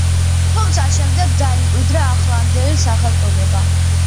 თუმცა შემდეგ დაიმკვიდრა ახლანდელი სახელწოდება.